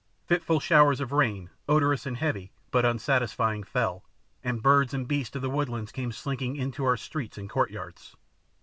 Fitful showers of rain, odorous and heavy, but unsatisfying, fell, and birds and beasts of the woodlands came slinking in to our streets and courtyards.